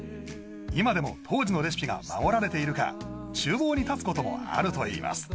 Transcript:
今でも当時のレシピが守られているか厨房に立つこともあるといいます